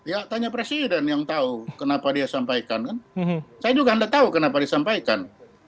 ya tanya presiden yang tahu kenapa dia sampaikan kan saya juga anda tahu kenapa disampaikan